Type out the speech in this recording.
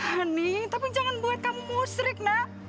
ani tapi jangan buat kamu musrik nak